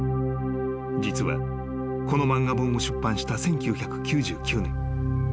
［実はこの漫画本を出版した１９９９年］